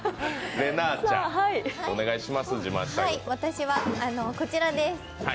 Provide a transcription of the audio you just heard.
私はこちらです。